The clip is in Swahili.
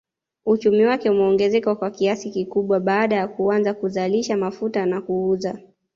Uchumi wake umeongezeka kwa kiasi kikubwa baada ya kuanza kuzalisha mafuta na kuuza